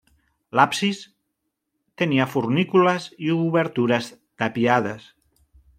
L'absis tenia fornícules i obertures tapiades.